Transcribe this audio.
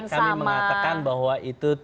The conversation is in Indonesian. kami mengatakan bahwa itu